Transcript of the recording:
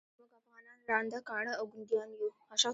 موږ افغانان ړانده، کاڼه او ګونګیان یوو.